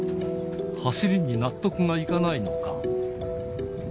走りに納得がいかないのか。